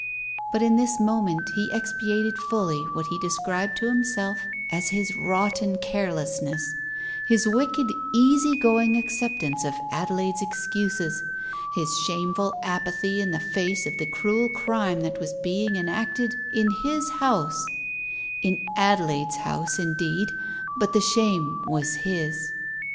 But in this moment he expiated fully what he described to himself as his rotten carelessness, his wicked easy going acceptance of Adelaide's excuses, his shameful apathy in the face of the cruel crime that was being enacted in his house — in Adelaide's house indeed, but the shame was his.